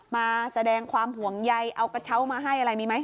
มาแสดงความห่วงใยเอากระเช้ามาให้อะไรมีไหม